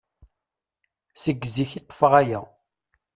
Seg zik i ṭṭfeɣ aya.